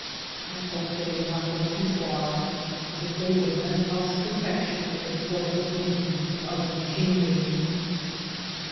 I hope they will not go too far, and that they will lend us protection with their portable engine and other machinery.